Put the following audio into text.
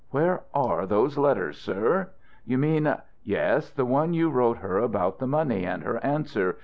"Where are those letters, sir?" "You mean " "Yes, the one you wrote her about the money, and her answer.